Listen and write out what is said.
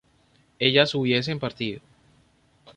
ellas hubiesen partido